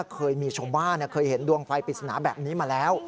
เคยมีชาวบ้านเคยเห็นดวงไฟปริศนาแบบนี้มาแล้ว